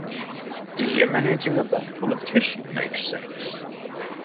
Eliminating a bad politician makes sense.